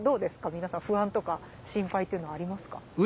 皆さん不安とか心配っていうのはありますか？